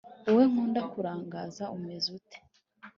wowe nkunda kurangaza umeze ute